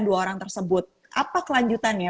dua orang tersebut apa kelanjutannya